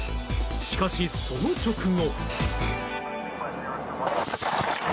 しかし、その直後。